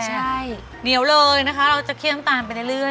ใช่เหนียวเลยนะคะเราจะเคี่ยวน้ำตาลไปเรื่อย